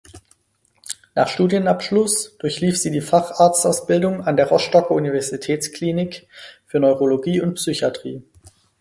Nach Studienabschluss durchlief sie die Facharztausbildung an der Rostocker Universitätsklinik für Neurologie und Psychiatrie.